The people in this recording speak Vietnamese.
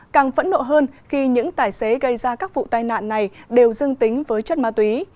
càng phẫn nộ hơn khi những tài xế gây ra các vụ tai nạn này đều dương tính với chất ma túy